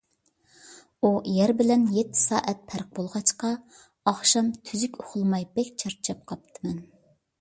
ئۇ يەر بىلەن يەتتە سائەت پەرق بولغاچقا، ئاخشام تۈزۈك ئۇخلىماي بەك چارچاپ قاپتىمەن.